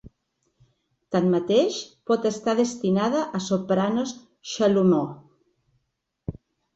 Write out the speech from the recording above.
Tanmateix, pot estar destinada a sopranos chalumeau.